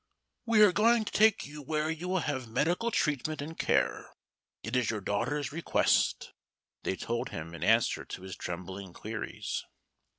"We are going to take you where you will have medical treatment and care; it is your daughter's request," they told him in answer to his trembling queries.